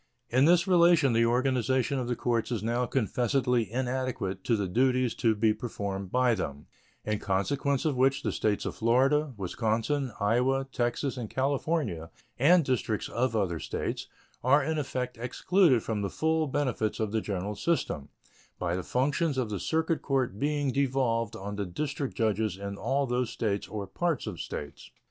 In this relation the organization of the courts is now confessedly inadequate to the duties to be performed by them, in consequence of which the States of Florida, Wisconsin, Iowa, Texas, and California, and districts of other States, are in effect excluded from the full benefits of the general system by the functions of the circuit court being devolved on the district judges in all those States or parts of States.